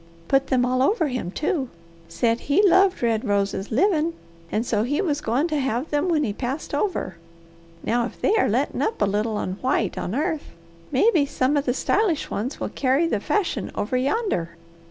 Put them all over him, too! Said he loved red roses livin' and so he was goin' to have them when he passed over. Now if they are lettin' up a little on white on earth, mebby some of the stylish ones will carry the fashion over yander.